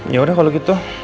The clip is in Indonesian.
yaudah kalau gitu